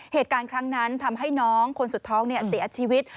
เหตุการณ์ครั้งนั้นทำให้น้องคนสุดท้องเสียชีวิต